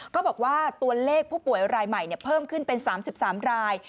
ก็บอกว่าตัวเลขผู้ป่วยรายใหม่เพิ่มขึ้นเป็น๓๓ราย